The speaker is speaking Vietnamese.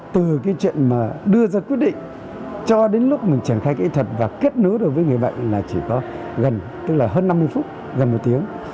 từ cái chuyện mà đưa ra quyết định cho đến lúc mình triển khai kỹ thuật và kết nối được với người bệnh là chỉ có gần tức là hơn năm mươi phút gần một tiếng